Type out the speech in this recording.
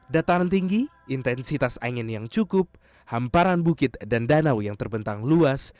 dataran tinggi intensitas angin yang cukup hamparan bukit dan danau yang terbentang luas